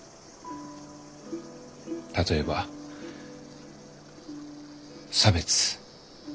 例えば差別。